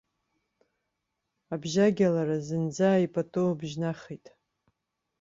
Абжьагьалара зынӡак ипату бжьнахит.